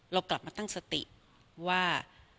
เรากลับมาตั้งสติว่า